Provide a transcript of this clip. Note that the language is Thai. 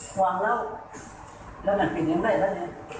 หวังเล่าแล้วมันเป็นยังไงบ้างเนี่ย